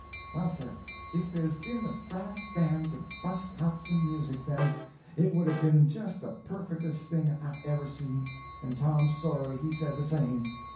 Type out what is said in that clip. Well, sir, if there'd been a brass band to bust out some music, then, it would 'a' been just the perfectest thing I ever see, and Tom Sawyer he said the same.